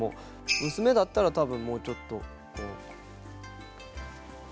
娘だったら多分もうちょっとこう。